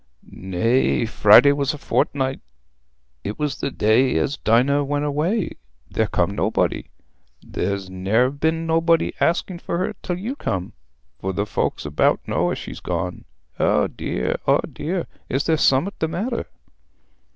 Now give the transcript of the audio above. "Nay; Friday was a fortnight—it was the day as Dinah went away—there come nobody. There's ne'er been nobody asking for her till you come, for the folks about know as she's gone. Eh dear, eh dear, is there summat the matter?"